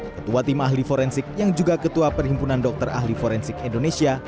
ketua tim ahli forensik yang juga ketua perhimpunan dokter ahli forensik indonesia